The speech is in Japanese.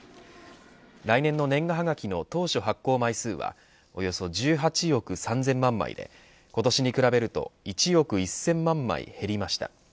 来年の年賀はがきの当初発行枚数はおよそ１８億３０００万枚で今年に比べると１億１０００万枚減りました。